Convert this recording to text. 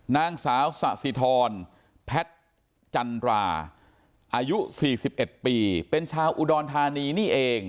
นางสาวสะสิทรแพทย์จันราอายุ๔๑ปีเป็นชาวอุดรธานีนี่เอง